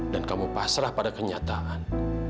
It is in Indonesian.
dan kamu pasrah pada kenyataan